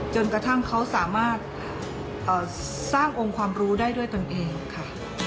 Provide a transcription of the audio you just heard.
จนกระทั่งเขาสามารถสร้างองค์ความรู้ได้ด้วยตนเองค่ะ